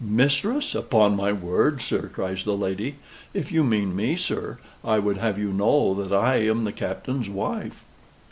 "Mistress! upon my word, sir!" cries the lady. "If you mean me, sir, I would have you know that I am the Captain's wife."